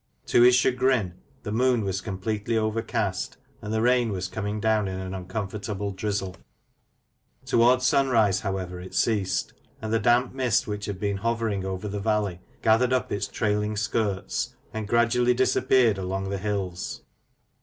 To his chagrin the moon was completely over cast, and the rain was coming down in an uncomfortable drizzle. Towards sunrise, however, it ceased ; and the damp mist which had been hovering over the valley, gathered up its trailing skirts, and gradually disappeared along the hills.